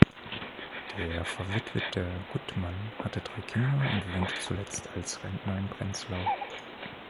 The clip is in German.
Der verwitwete Guttmann hatte drei Kinder und wohnte zuletzt als Rentner in Prenzlau.